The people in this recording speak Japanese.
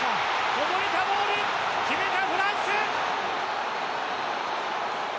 こぼれたボール決めたフランス！